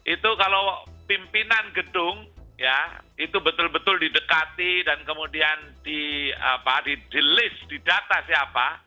itu kalau pimpinan gedung ya itu betul betul didekati dan kemudian di list di data siapa